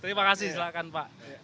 terima kasih silahkan pak